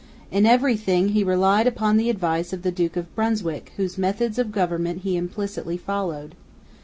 In every thing he relied upon the advice of the Duke of Brunswick, whose methods of government he implicitly followed.